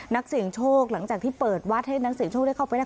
นักเสี่ยงโชคหลังจากที่เปิดวัดให้นักเสียงโชคได้เข้าไปนะคะ